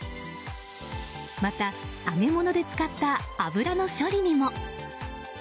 また揚げ物で使った油の処理にも。